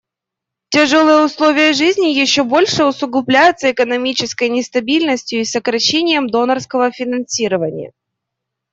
Тяжелые условия жизни еще больше усугубляются экономической нестабильностью и сокращением донорского финансирования.